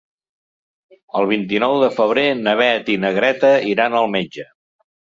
El vint-i-nou de febrer na Beth i na Greta iran al metge.